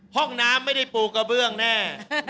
ห้องน้ำไม่ได้ปูกระเบื้องแน่